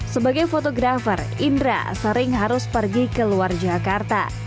sebagai fotografer indra sering harus pergi ke luar jakarta